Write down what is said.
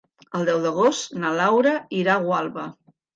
El deu d'agost na Laura irà a Gualba.